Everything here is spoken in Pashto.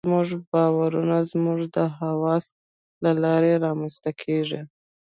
زموږ باورونه زموږ د حواسو له لارې رامنځته کېږي.